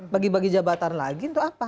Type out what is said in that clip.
bagi bagi jabatan lagi untuk apa